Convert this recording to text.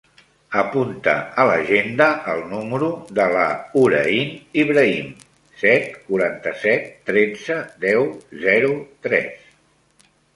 Apunta a l'agenda el número de la Hoorain Ibrahim: set, quaranta-set, tretze, deu, zero, tres.